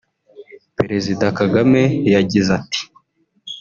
Perezida Kagame yagize ati